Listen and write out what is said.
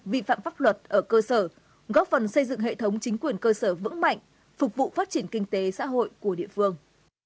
vi phạm pháp luật ở cơ sở góp phần xây dựng hệ thống chính quyền cơ sở vững mạnh phục vụ phát triển kinh tế xã hội của địa phương